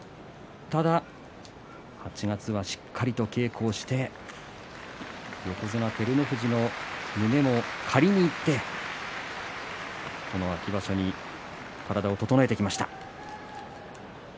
ただ８月はしっかりと稽古をして横綱照ノ富士の胸も借りに行ってこの秋場所に体を整えてきました。